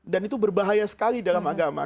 dan itu berbahaya sekali dalam agama